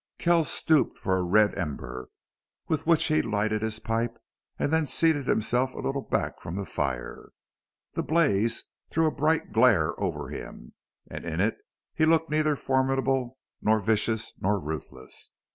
Kells stooped for a red ember, with which he lighted his pipe, and then he seated himself a little back from the fire. The blaze threw a bright glare over him, and in it he looked neither formidable nor vicious nor ruthless.